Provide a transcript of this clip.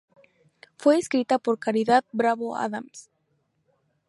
Fue escrita por Caridad Bravo Adams.